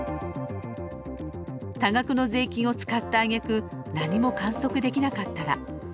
多額の税金を使ったあげく何も観測できなかったら？